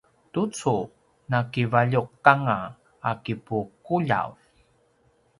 tucu nakivaljuq anga a kipuquljav